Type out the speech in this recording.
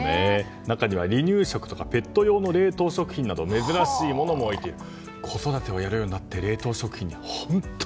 中には離乳食やペット用の冷凍食品など珍しいものも置いている。